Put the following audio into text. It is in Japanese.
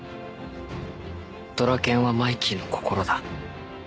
ドラケンはマイキーの心だ。